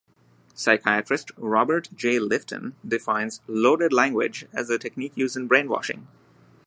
Psychiatrist Robert Jay Lifton defines "loaded language" as a technique used in brainwashing.